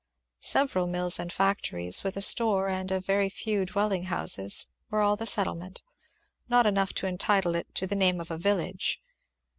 Several mills and factories, with a store and a very few dwelling houses were all the settlement; not enough to entitle it to the name of a village.